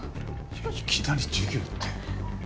いやいきなり授業って。